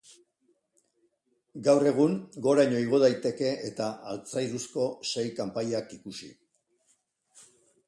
Gaur egun goraino igo daiteke eta altzairuzko sei kanpaiak ikusi.